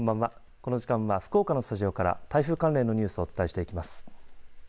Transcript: この時間は福岡のスタジオから台風関連のニュースをお伝えしていきます。